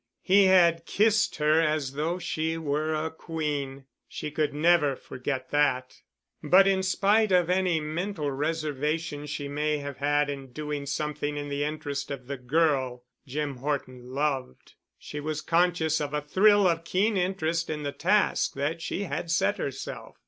He had kissed her as though she were a queen. She could never forget that. But in spite of any mental reservations she may have had in doing something in the interest of the girl Jim Horton loved, she was conscious of a thrill of keen interest in the task that she had set herself.